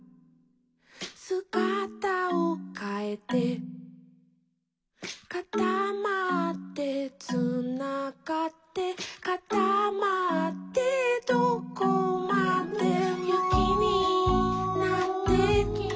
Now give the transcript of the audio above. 「すがたをかえて」「かたまってつながって」「かたまってどこまでも」「ゆきになって」